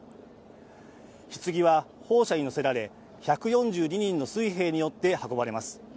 ひつぎは、砲車に載せられ、１４２人の水兵によって運ばれます。